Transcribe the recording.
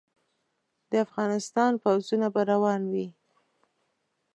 د افغانستان پوځونه به روان وي.